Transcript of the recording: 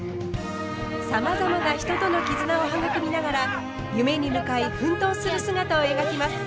さまざまな人との絆を育みながら夢に向かい奮闘する姿を描きます。